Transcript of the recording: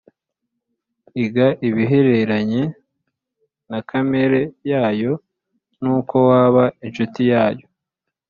Iga ibihereranye na kamere yayo n’uko waba incuti yayo